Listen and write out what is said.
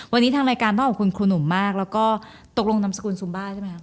วันนี้ทางรายการต้องขอบคุณครูหนุ่มมากแล้วก็ตกลงนามสกุลซุมบ้าใช่ไหมครับ